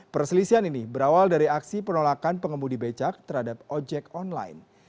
perselisihan ini berawal dari aksi penolakan pengemudi becak terhadap ojek online